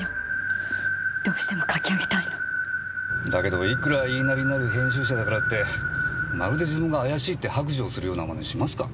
だけどいくら言いなりになる編集者だからってまるで自分が怪しいって白状するような真似しますか？